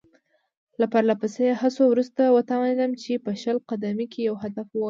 له پرله پسې هڅو وروسته وتوانېدم چې په شل قدمۍ کې یو هدف وولم.